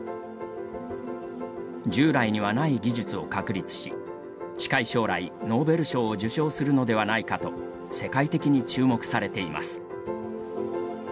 従来にはない技術を確立し近い将来ノーベル賞を受賞するのではないかと世界的に注目されています。